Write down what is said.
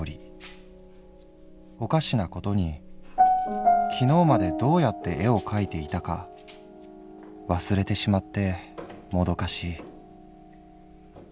おかしなことに昨日までどうやって絵を描いていたか忘れてしまってもどかしい」。